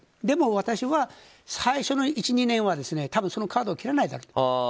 でも、私は最初の１２年は多分そのカードを切らないだろうと。